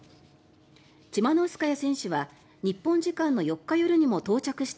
チマノウスカヤ選手は日本時間の４日夜にも到着した